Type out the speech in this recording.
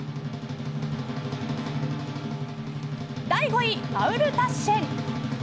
第５位、マウルタッシェン。